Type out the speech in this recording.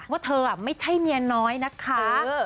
ว่าเธอไม่ใช่เมียน้อยนะคะ